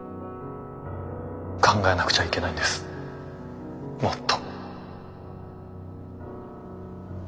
考えなくちゃいけないんですもっと。